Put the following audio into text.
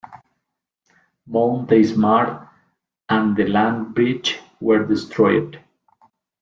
Mount Deismaar and the land bridge were destroyed.